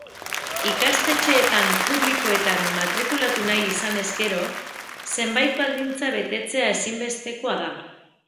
Ikastetxeetan publikoetan matrikulatu nahi izanez gero, zenbait baldintza betetzea ezinbestekoa da.